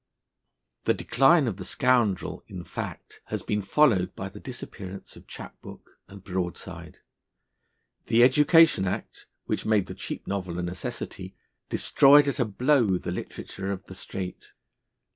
The decline of the Scoundrel, in fact, has been followed by the disappearance of chap book and broadside. The Education Act, which made the cheap novel a necessity, destroyed at a blow the literature of the street.